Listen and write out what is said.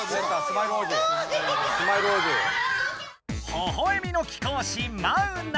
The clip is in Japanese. ほほえみの貴公子マウナ。